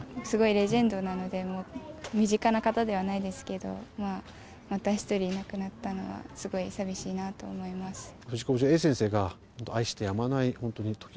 すごいレジェンドなので、身近な方ではないですけど、また１人いなくなったのは、すごい寂しいなと思います。